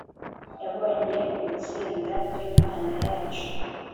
yabonye ugutsinda kw'imana yacu